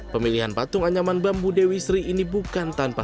pemilihan patung anyaman bambu dewi sri ini bukan tanpa